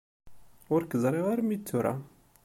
Ur k-ẓriɣ armi d tura.